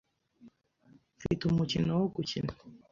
Mfite umukino wo gukina.